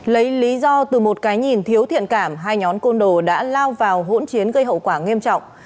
lấy lý do từ một cái nhìn thiếu thiện cảm hai nhóm côn đồ đã lao vào hỗn chiến gây hậu quả nghiêm trọng